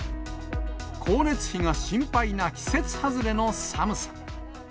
光熱費が心配な季節外れの寒さ。